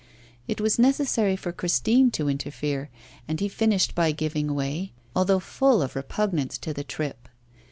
It was necessary for Christine to interfere, and he finished by giving way, although full of repugnance to the trip.